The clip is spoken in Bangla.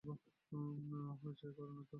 হইচই করো না তো।